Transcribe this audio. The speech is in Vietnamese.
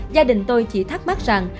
gia đình tôi chỉ thắc mắc rằng